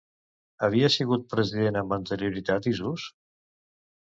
Havia sigut president amb anterioritat Isús?